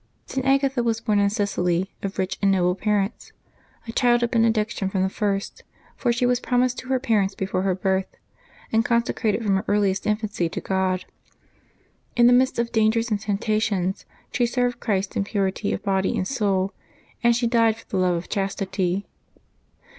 ^T. Agatha was born in Sicily, of rich and noble par ents — a child of benediction from the first, for she was promised to her parents before her birth, and conse crated from her earliest infancy to God. In the midst of dangers and temptations she served Christ in purity of body and soul, and she died for the love of chastity.